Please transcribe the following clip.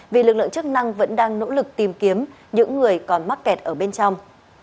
vì lực lượng chức năng vẫn đang nỗ lực tìm kiếm những người còn mắc kẹt ở bên trong